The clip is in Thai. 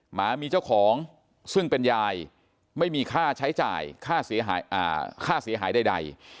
หมามีเจ้าของซึ่งเป็นยายไม่มีค่าใช้จ่ายค่าเสียหายใด